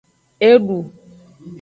Edu.